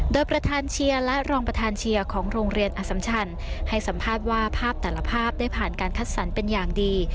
โดยประธานเชียร์และรองประธานเชียร์ของโรงเรียนอสัมชันให้สัมภาษณ์ว่าภาพแต่ละภาพได้ผ่านการคัดสรรเป็นอย่างดี